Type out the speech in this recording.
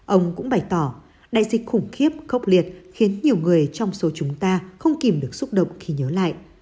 ông cũng bày tỏ đại dịch khủng khiếp khốc liệt khiến nhiều người trong số chúng ta không kìm được xúc động khi nhớ lại